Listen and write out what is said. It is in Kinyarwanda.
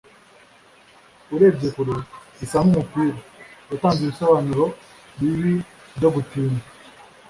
Urebye kure, bisa nkumupira. Yatanze ibisobanuro bibi byo gutinda.